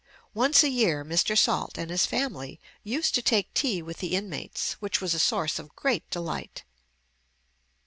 Once a year Mr. Salt and his family used to take tea with the inmates, which was a source of great delight.